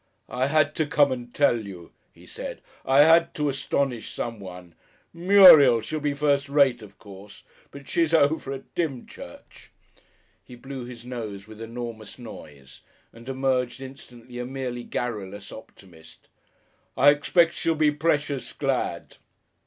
"I had to come and tell you," he said. "I had to astonish someone. Muriel she'll be firstrate, of course. But she's over at Dymchurch." He blew his nose with enormous noise, and emerged instantly a merely garrulous optimist. "I expect she'll be precious glad."